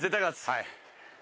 はい。